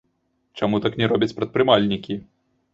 Чаму так не робяць прадпрымальнікі?